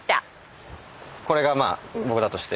これがまあ僕だとして。